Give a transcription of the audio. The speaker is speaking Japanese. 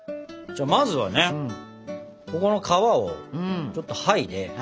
まずはねここの皮をちょっと剥いで。